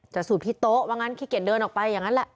สูบที่โต๊ะว่างั้นขี้เกียจเดินออกไปอย่างนั้นแหละ